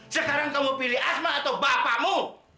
sekarang kamu pilih ahmad atau bapakmu